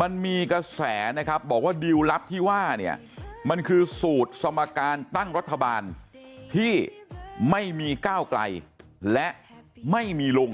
มันมีกระแสนะครับบอกว่าดิวลลับที่ว่าเนี่ยมันคือสูตรสมการตั้งรัฐบาลที่ไม่มีก้าวไกลและไม่มีลุง